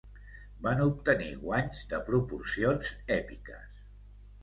Van obtenir guanys de proporcions èpiques.